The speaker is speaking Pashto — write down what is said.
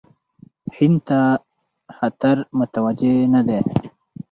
هند ته خطر متوجه نه دی.